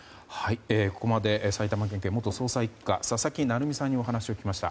ここまで埼玉県警元捜査１課佐々木成三さんにお話を聞きました。